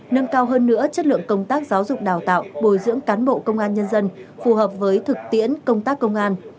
nâng cao hơn nữa chất lượng công tác giáo dục đào tạo bồi dưỡng cán bộ công an nhân dân phù hợp với thực tiễn công tác công an